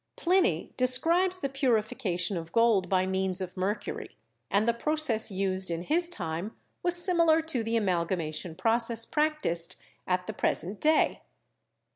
Pliny describes the purification of gold by means of mercury, and the process used in his time was similar to the amalgamation process practiced at the pres ent day.